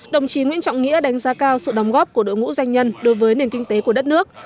đồng chí nguyễn trọng nghĩa đánh giá cao sự đóng góp của đội ngũ doanh nhân đối với nền kinh tế của đất nước